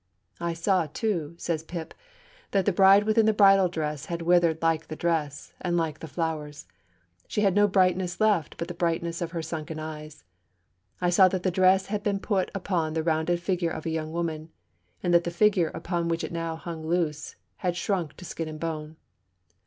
'I saw, too,' says Pip, 'that the bride within the bridal dress had withered like the dress, and like the flowers, and had no brightness left but the brightness of her sunken eyes. I saw that the dress had been put upon the rounded figure of a young woman, and that the figure, upon which it now hung loose, had shrunk to skin and bone.